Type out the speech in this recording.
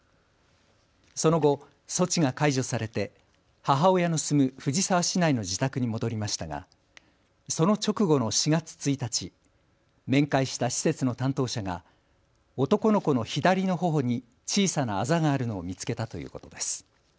その後、措置が解除されて母親の住む藤沢市内の自宅に戻りましたがその直後の４月１日、面会した施設の担当者が男の子の左のほほに小さなあざがあるのを見つけたということです。